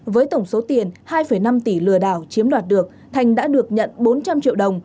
với tổng số tiền hai năm tỷ lừa đảo chiếm đoạt được thành đã được nhận bốn trăm linh triệu đồng